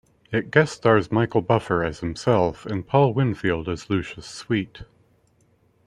It guest stars Michael Buffer as himself and Paul Winfield as Lucius Sweet.